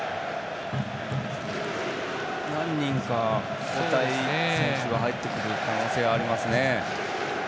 何人か交代選手が入ってくる可能性がありますね。